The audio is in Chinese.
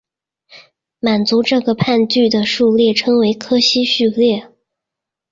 满足这个判据的数列称为柯西序列。